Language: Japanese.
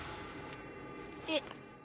えっ。